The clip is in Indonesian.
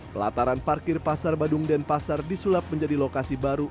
pelataran parkir pasar badung dan pasar disulap menjadi lokasi baru